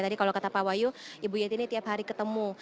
tadi kalau kata pak wahyu ibu yeti ini tiap hari ketemu